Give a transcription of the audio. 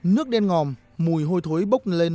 nước đen ngòm mùi hôi thối bốc lên